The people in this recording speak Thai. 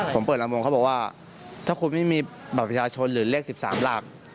ผมเปิดลำวงเขาบอกว่าถ้าคุณไม่มีบัตรประชาชนหรือเลข๑๓หลัก